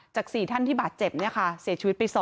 ๔ท่านที่บาดเจ็บเนี่ยค่ะเสียชีวิตไป๒